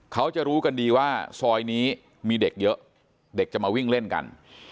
เขาจะรู้กันดีว่าซอยนี้มีเด็กเยอะเด็กจะมาวิ่งเล่นกัน